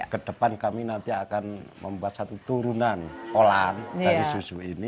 kedepan kami nanti akan membuat satu turunan olahan dari susu ini